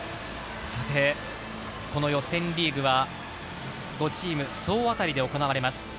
この予選リーグは５チーム総当たりで行われます。